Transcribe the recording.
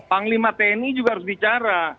panglima tni juga harus bicara